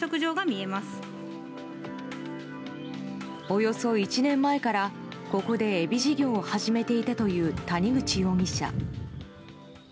およそ１年前からここでエビ事業を始めていたという谷口容疑者。